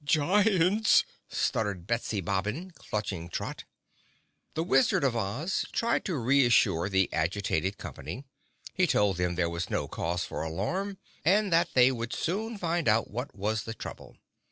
"Giants!" stuttered Betsy Bobbin, clutching Trot. The Wizard of Oz tried to reassure the agitated company. He told them there was no cause for alarm, and that they would soon find out what was the trouble.